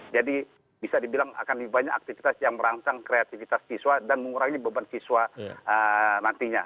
jadi bisa dibilang akan banyak aktivitas yang merangsang kreativitas siswa dan mengurangi beban siswa nantinya